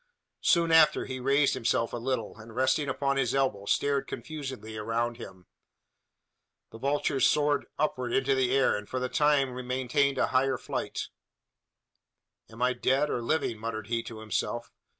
Soon after he raised himself a little; and, resting upon his elbow, stared confusedly around him. The vultures soared upward into the air, and for the time maintained a higher flight. "Am I dead, or living?" muttered he to himself.